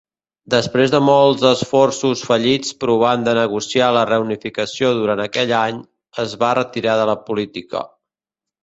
Després de molts esforços fallits provant de negociar la reunificació durant aquell any, es va retirar de la política.